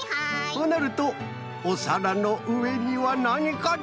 となるとおさらのうえにはなにかな？